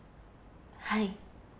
はい。